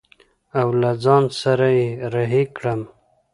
او له ځان سره يې رهي کړم.